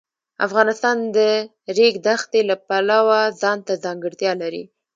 افغانستان د د ریګ دښتې د پلوه ځانته ځانګړتیا لري.